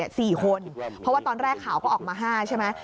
เพราะว่าตอนแรกข่าวก็ออกมา๕ใช่ไหม